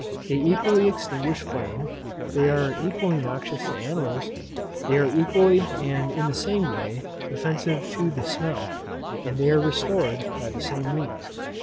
They equally extinguish flame, they are equally noxious to animals, they are equally, and in the same way, offensive to the smell, and they are restored by the same means.